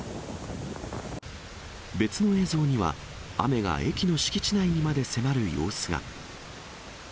別の映像には、雨が駅の敷地内にまで迫る様子が。